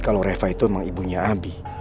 kalau reva itu emang ibunya abi